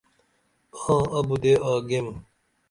آں، ابودےآگیم